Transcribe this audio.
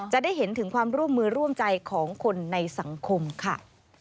จะได้เห็นถึงความร่วมมือร่วมใจของคนในสังคมค่ะ